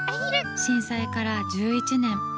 震災から１１年。